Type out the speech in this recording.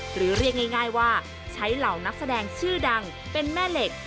หรือเรียกง่ายว่าใช้เหล่านักแสดงชื่อดังเป็นแม่เหล็ก